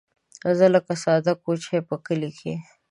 زه لکه ساده کوچۍ په کلي کې